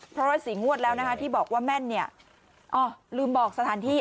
พระรสีงวดแล้วนะครับที่บอกว่าแม่นอ่อลืมบอกสถานที่